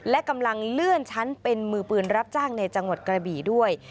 และกำลังเลื่อนชั้นเป็นมือปืนรับจ้างในจังหวัดกระบี่ด้วย